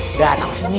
nah udah tau sih nih